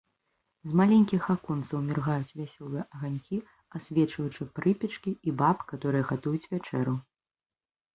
З маленькіх аконцаў міргаюць вясёлыя аганькі, асвечваючы прыпечкі і баб, каторыя гатуюць вячэру.